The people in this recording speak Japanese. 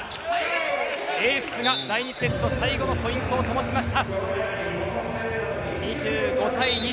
エースが第２セット最後のポイントをともしました。